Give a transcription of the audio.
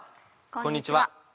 こんにちは。